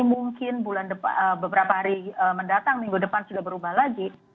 mungkin beberapa hari mendatang minggu depan sudah berubah lagi